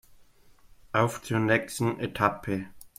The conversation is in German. Auf zur nächsten Etappe!